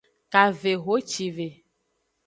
Kavehocive.